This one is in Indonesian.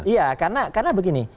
iya karena begini